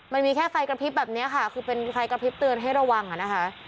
มันมีแค่ไฟกระพริบแบบนี้ค่ะคือเป็นไฟกระพริบเตือนให้ระวังอ่ะนะคะ